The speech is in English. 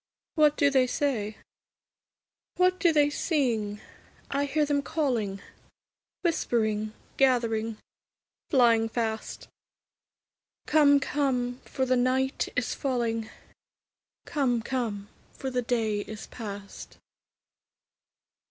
What do they say? What do they sing? I hear them calling, Whispering, gathering, flying fast, 'Come, come, for the night is falling; Come, come, for the day is past!'